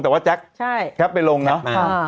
แต่ว่าแจ๊คไปลงเนอะ